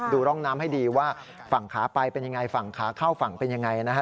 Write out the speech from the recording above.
ร่องน้ำให้ดีว่าฝั่งขาไปเป็นยังไงฝั่งขาเข้าฝั่งเป็นยังไงนะฮะ